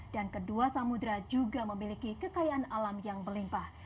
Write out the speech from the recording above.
dan kedua samudera juga memiliki kekayaan alam yang berlimpah